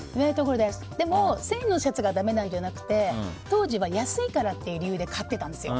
でも１０００円のシャツがだめなんじゃなくて当時は安いからっていう理由で買ってたんですよ。